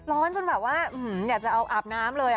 ร้อนจนแบบว่าอยากจะเอาอาบน้ำเลย